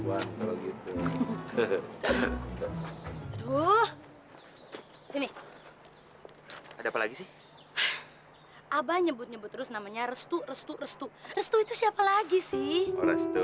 aduh sini ada apa lagi sih abah nyebut nyebut terus namanya restu restu restu restu itu siapa lagi sih restu